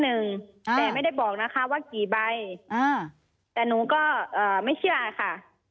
แต่ไม่ได้บอกนะคะว่ากี่ใบแต่หนูก็ไม่เชื่อค่ะ